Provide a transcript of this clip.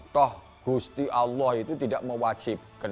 toh gusti allah itu tidak mewajibkan